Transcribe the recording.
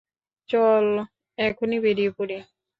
চল, এখনই বেরিয়ে পড়ি।